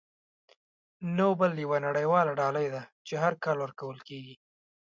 نوبل یوه نړیواله ډالۍ ده چې هر کال ورکول کیږي.